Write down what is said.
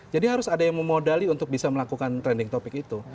jadi harus ada yang memodali untuk bisa melakukan trending topic itu